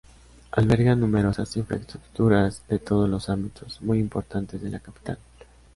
Alberga numerosas infraestructuras de todos los ámbitos muy importantes de la capital.